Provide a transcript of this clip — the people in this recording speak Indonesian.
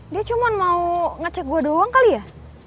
dia cuma mau ngecek gue doang kali ya